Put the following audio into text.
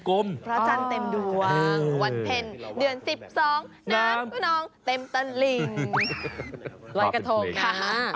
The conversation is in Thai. พระจันทร์เต็มดวงวันเพลินเดือน๑๒นนเต็มตันลิง